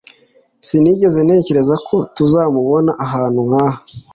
Sinigeze ntekereza ko tuzamubona ahantu nk'aha.